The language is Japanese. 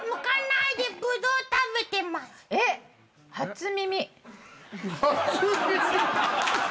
初耳！